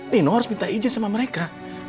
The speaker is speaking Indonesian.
neno harus minta izin sama mereka